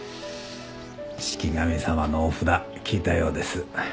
志木神様のお札効いたようです。